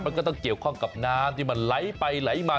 มันก็ต้องเกี่ยวข้องกับน้ำที่มันไหลไปไหลมา